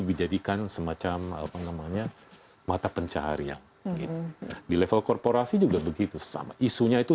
dijadikan semacam apa namanya mata pencaharian gitu di level korporasi juga begitu sama isunya itu